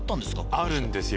あるんですよ